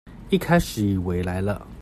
一開始以為來了